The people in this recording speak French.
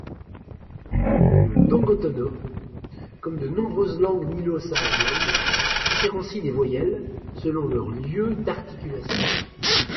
Le dongotono, comme de nombreuses langues nilo-sahariennes, différencie les voyelles selon leur lieu d'articulation.